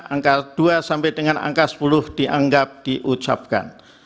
angka dua sampai dengan angka sepuluh dianggap diucapkan